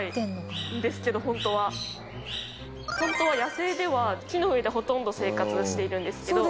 ホントは野生では木の上でほとんど生活しているんですけど。